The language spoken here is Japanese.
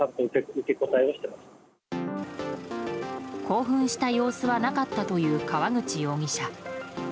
興奮した様子はなかったという川口容疑者。